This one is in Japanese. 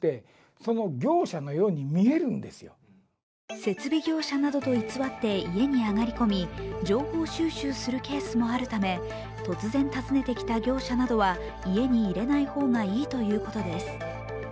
設備業者などと偽って家に上がり込み、情報収集するケースもあるため、突然訪ねてきた業者などは家に入れない方がいいということです。